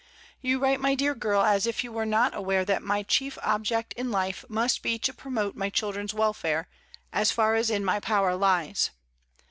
You write, my dear girl, as if you were not aware that my chief object in life must be to promote my children's welfare, as far as in my power lies.